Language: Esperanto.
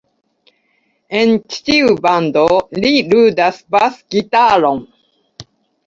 En ĉi-tiu bando, li ludas bas-gitaron.